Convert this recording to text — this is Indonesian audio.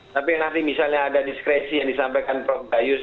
tapi nanti misalnya ada diskresi yang disampaikan prof gayus